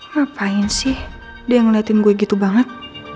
ngapain sih dia yang ngeliatin gue gitu banget